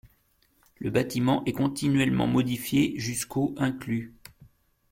Le bâtiment est continuellement modifié jusqu'au inclus.